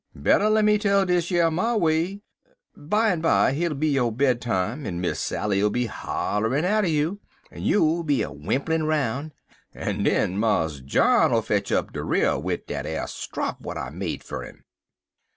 "Better lemme tell dish yer my way. Bimeby hit'll be yo' bed time, en Miss Sally'll be a hollerin' atter you, en you'll be a whimplin' roun', en den Mars John'll fetch up de re'r wid dat ar strop w'at I made fer im."